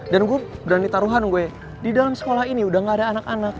dan gue berani taruhan gue di dalam sekolah ini udah gak ada anak anak